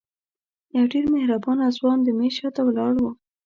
یو ډېر مهربانه ځوان د میز شاته ولاړ و.